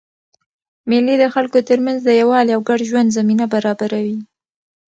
مېلې د خلکو ترمنځ د یووالي او ګډ ژوند زمینه برابروي.